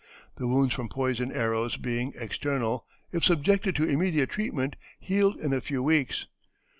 The wounds from poisoned arrows being external, if subjected to immediate treatment, healed in a few weeks.